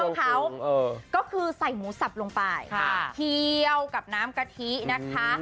ของเขาก็คือใส่หมูสับลงไปเคี่ยวกับน้ำกะทินะคะ